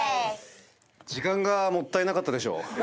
時間がもったいなかったでしょ。